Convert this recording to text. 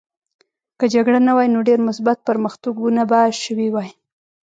که جګړه نه وای نو ډېر مثبت پرمختګونه به شوي وای